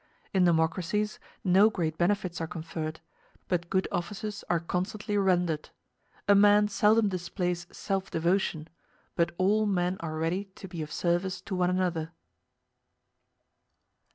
In democracies no great benefits are conferred, but good offices are constantly rendered: a man seldom displays self devotion, but all men are ready to be of service to one another.